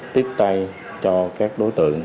tiếp tay cho các đối tượng